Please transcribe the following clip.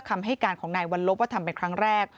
คำให้การของนายวัลลบว่าทำเป็นครั้งแรก